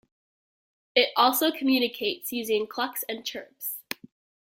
It also communicates using clucks and chirps.